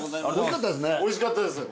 おいしかったですね。